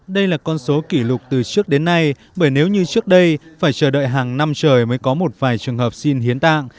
đây là con số kỷ lục từ trước đến nay bởi nếu như trước đây phải chờ đợi hàng năm trời mới có một vài trường hợp xin hiến tạng